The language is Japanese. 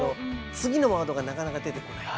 次のワードがなかなか出てこない。